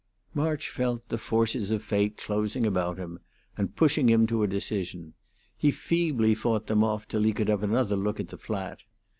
March felt the forces of fate closing about him and pushing him to a decision. He feebly fought them off till he could have another look at the flat.